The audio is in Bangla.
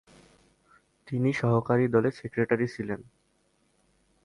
তিনি দলের সহকারী সেক্রেটারি জেনারেল ছিলেন।